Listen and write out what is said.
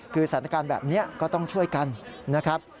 คือสถานการณ์แบบนี้ก็ต้องช่วยกันนะครับ